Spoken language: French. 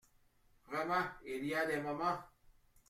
Vraiment, il y a des moments…